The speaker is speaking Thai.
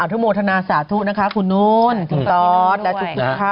อธิโมทนาสาธุนะคะคุณนุ่นตอสและทุกค่ะ